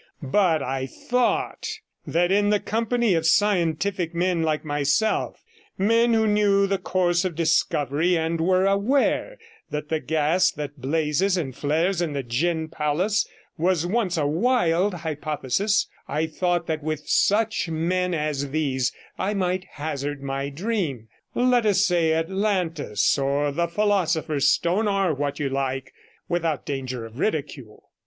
But I thought that in the company of scientific men like myself, men who knew the course of discovery, and were aware that the gas that blazes and flares in the gin palace was once a wild hypothesis I thought that with such men as these I might hazard my dream let us say Atlantis, or the philosopher's stone, or what you like — without danger of ridicule.